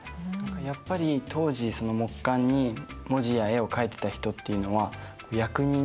やっぱり当時その木簡に文字や絵をかいてた人っていうのは役人とか。